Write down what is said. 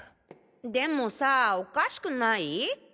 でもさぁおかしくない？